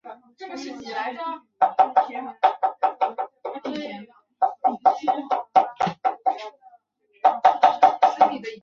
陶望龄为南京礼部尚书陶承学之子。